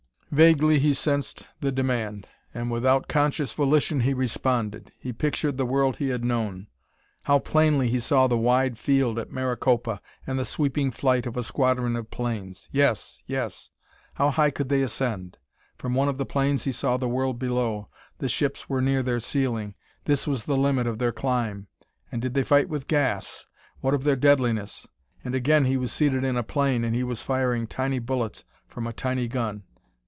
_ Vaguely he sensed the demand, and without conscious volition he responded. He pictured the world he had known; how plainly he saw the wide field at Maricopa, and the sweeping flight of a squadron of planes! Yes yes! How high could they ascend? From one of the planes he saw the world below; the ships were near their ceiling; this was the limit of their climb. And did they fight with gas? What of their deadliness? And again he was seated in a plane, and he was firing tiny bullets from a tiny gun.